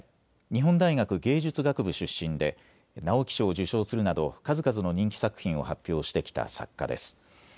日本大学芸術学部出身で直木賞を受賞するなど数々の人気作品を発表してきた作家です。